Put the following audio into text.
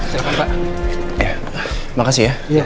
terima kasih ya